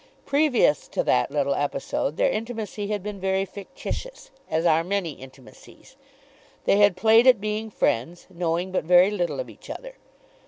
Previous to that little episode their intimacy had been very fictitious, as are many intimacies. They had played at being friends, knowing but very little of each other.